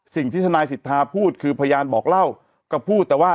สิ่งที่ทนายสิทธาพูดคือพยานบอกเล่าก็พูดแต่ว่า